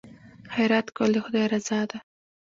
خیرات کول د خدای رضا ده.